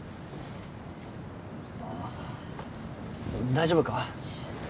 大丈夫か？